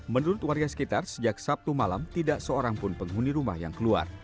menurut warga sekitar sejak sabtu malam tidak seorang pun penghuni rumah yang keluar